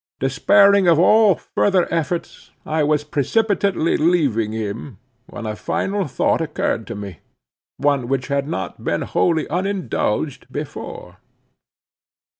Despairing of all further efforts, I was precipitately leaving him, when a final thought occurred to me—one which had not been wholly unindulged before.